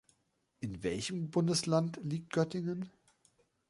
In welchem Bundesland liegt Göttingen?